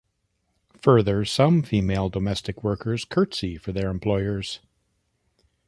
Further, some female domestic workers curtsey for their employers.